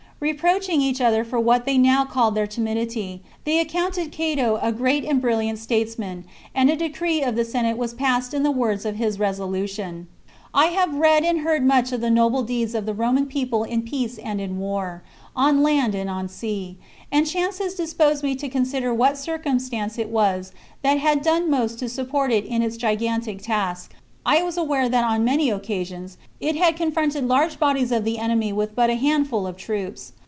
Reproaching each other for what they now called their timidity, they accounted Cato a great and brilliant statesman, and a decree of the Senate was passed in the words of his resolution. I have read and heard much of the noble deeds of the Roman people in peace and in war, on land and on sea ; and chance has disposed me to consider what circumstance it was that had done most to support it in its gigantic task. I was aware that on many occa sions it had confronted large bodies of the enemy with but a handful of troops.